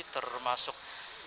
termasuk dari para penyelenggara